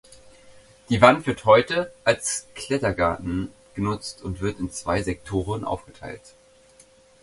Die Wand wird heute als Klettergarten genutzt und wird in zwei Sektoren aufgeteilt.